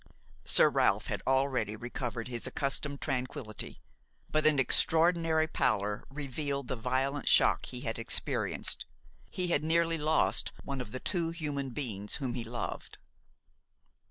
Sir Ralph had already recovered his accustomed tranquillity; but an extraordinary pallor revealed the violent shock he had experienced; he had nearly lost one of the two human beings whom he loved.